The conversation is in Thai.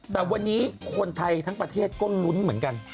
แต่วันนี้คนไทยทั้งประเทศก็ลุ้นเหมือนกัน